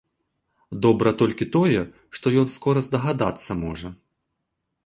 Добра толькі тое, што ён скора здагадацца можа.